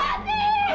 lepas di ibu